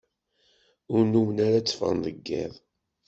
Ur nnumen ara tteffɣen deg iḍ.